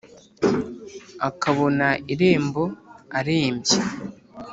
akabona irembo arembye